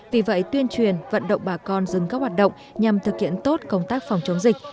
vì vậy tuyên truyền vận động bà con dừng các hoạt động nhằm thực hiện tốt công tác phòng chống dịch